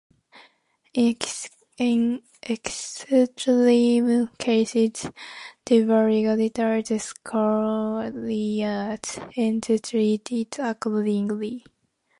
In extreme cases they are regarded as sorcerers and treated accordingly.